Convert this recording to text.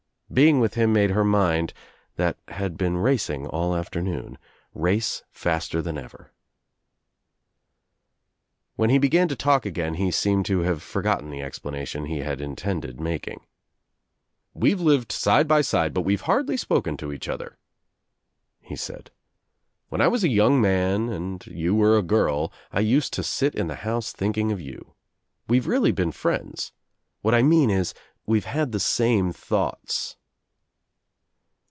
Being with him made her mind, that had been racing all afternoon, race faster than ever. When he began to talk again he seemed to have forgotten the explanation he had intended making. "We've lived side by side but we've hardly spoken to reach other," he said. "When I was a young man and Lyou were a girl I used to sit in the house thinking of you. We've really been friends. What I mean is we've had the same thoughts."